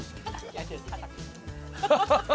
ハハハハ！